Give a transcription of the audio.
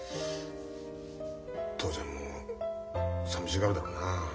父ちゃんもさみしがるだろうなあ。